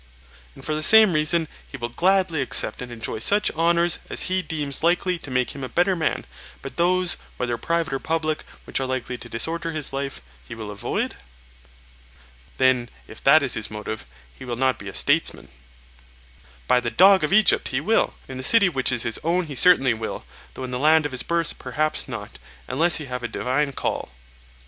And, for the same reason, he will gladly accept and enjoy such honours as he deems likely to make him a better man; but those, whether private or public, which are likely to disorder his life, he will avoid? Then, if that is his motive, he will not be a statesman. By the dog of Egypt, he will! in the city which is his own he certainly will, though in the land of his birth perhaps not, unless he have a divine call.